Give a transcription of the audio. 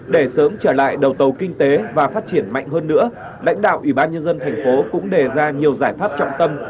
để sớm trở lại đầu tàu kinh tế và phát triển mạnh hơn nữa lãnh đạo ủy ban nhân dân thành phố cũng đề ra nhiều giải pháp trọng tâm